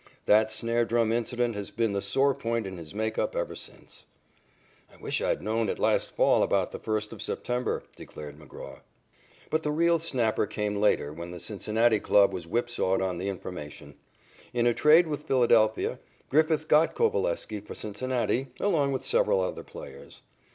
That snare drum incident has been the sore point in his makeup ever since." "I wish I'd known it last fall about the first of September," declared McGraw. But the real snapper came later when the Cincinnati club was whipsawed on the information. In a trade with Philadelphia, Griffith got Coveleski for Cincinnati along with several other players.